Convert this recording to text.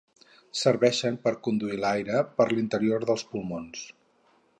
Serveixen per conduir l'aire per l'interior dels pulmons.